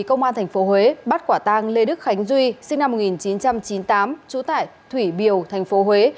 công an tp huế bắt quả tang lê đức khánh duy sinh năm một nghìn chín trăm chín mươi tám trú tại thủy biều tp huế